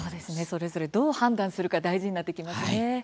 それぞれ、どう判断するか大事になってきますね。